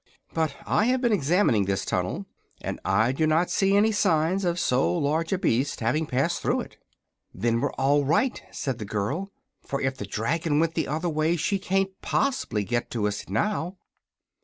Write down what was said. But I have been examining this tunnel, and I do not see any signs of so large a beast having passed through it." "Then we're all right," said the girl, "for if the dragon went the other way she can't poss'bly get to us now."